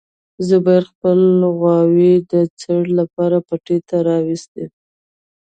زبیر خپلې غواوې د څړ لپاره پټي ته راوستې.